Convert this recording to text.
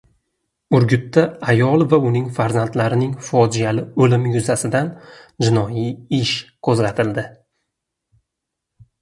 Urgutda ayol va uning farzandlarining fojiali o‘limi yuzasidan jinoiy ish qo‘zg‘atildi